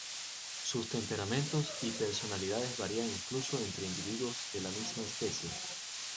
Sus temperamentos y personalidades varían incluso entre individuos de la misma especie.